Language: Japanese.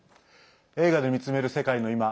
「映画で見つめる世界のいま」